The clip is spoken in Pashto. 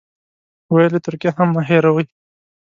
ویل یې ترکیه هم مه هېروئ.